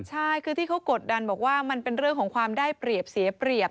ใช่คือที่เขากดดันบอกว่ามันเป็นเรื่องของความได้เปรียบเสียเปรียบ